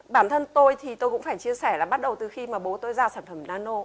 bản thân tôi thì tôi cũng phải chia sẻ là bắt đầu từ khi mà bố tôi ra sản phẩm nano